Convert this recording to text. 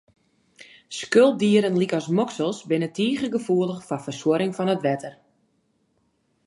Skulpdieren lykas moksels, binne tige gefoelich foar fersuorring fan it wetter.